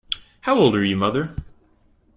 How old are you, mother.